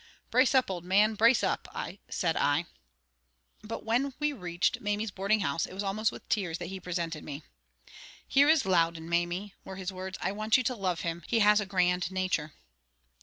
"Brace up, old man, brace up!" said I. But when we reached Mamie's boarding house, it was almost with tears that he presented me. "Here is Loudon, Mamie," were his words. "I want you to love him; he has a grand nature."